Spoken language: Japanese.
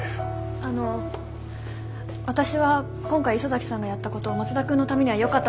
あの私は今回磯崎さんがやったこと松田君のためにはよかったと思います。